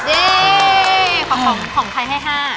เย้ของใครให้๕